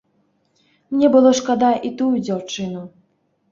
Мне было шкада і тую дзяўчыну.